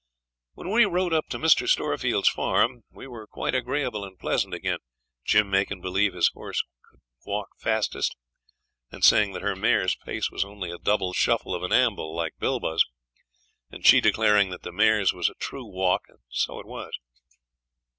When we rode up to Mr. Storefield's farm we were quite agreeable and pleasant again, Jim makin' believe his horse could walk fastest, and saying that her mare's pace was only a double shuffle of an amble like Bilbah's, and she declaring that the mare's was a true walk and so it was.